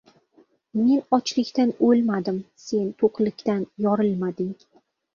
Men ochlikdan o‘lmadim — sen to‘qlikdan yorilmading!